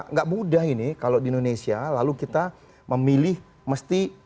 nggak mudah ini kalau di indonesia lalu kita memilih mesti